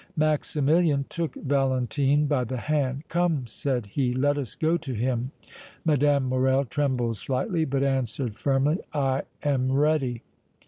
Maximilian took Valentine by the hand. "Come," said he, "let us go to him!" Mme. Morrel trembled slightly, but answered, firmly: "I am ready!"